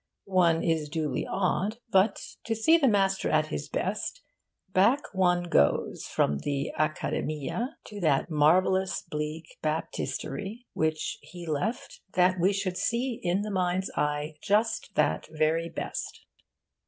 One is duly awed, but, to see the master at his best, back one goes from the Accademia to that marvellous bleak Baptistery which he left that we should see, in the mind's eye, just that very best.